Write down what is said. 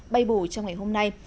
bay bù trong ngày hôm nay